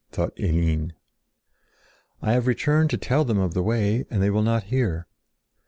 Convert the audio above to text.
thought Eline. "I have returned to tell them of the way, and they will not hear.